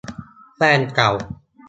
แฟนเก่า